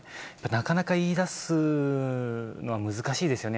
なかなか言い出すのは難しいですよね。